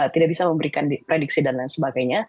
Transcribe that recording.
tidak bisa memberikan prediksi dan lain sebagainya